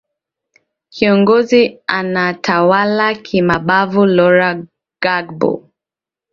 kiongozi anaetawala kimabavu lora gbagbo